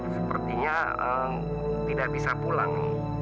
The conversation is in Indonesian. sepertinya tidak bisa pulang